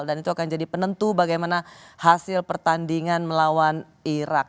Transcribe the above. dan itu akan jadi penentu bagaimana hasil pertandingan melawan irak